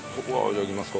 じゃあいきますか。